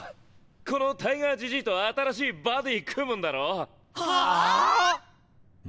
このタイガージジィと新しいバディ組むんだろ？はあぁ？？